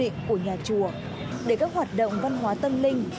tâm linh của nhà chùa để các hoạt động văn hóa tâm linh